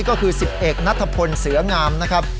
ก็คือสิบเอกนัทพลเสื้องามนะครับ